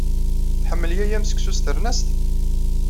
Tḥemmel yaya-m seksu s ternast?